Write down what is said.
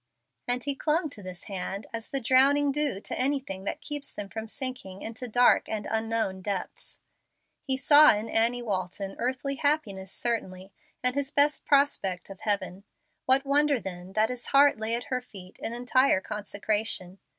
And he clung to this hand as the drowning do to anything that keeps them from sinking into dark and unknown depths. He saw in Annie Walton earthly happiness certainly, and his best prospect of heaven. What wonder then that his heart lay at her feet in entire consecration?